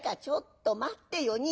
「ちょっと待ってよ